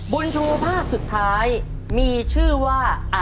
บุญชูภาพสุดท้ายมีชื่อว่า